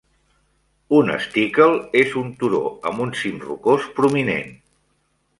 Un "stickle" és un turó amb un cim rocós prominent.